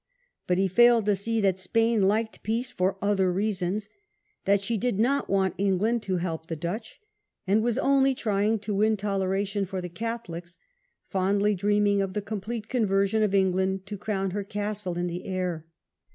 But he aims. failed to see that Spain liked peace for other reasons; that she did not want England to help the Dutch, and was only trying to win toleration for the Catholics, fondly dreaming of the complete conversion of England to crown her castle in the air.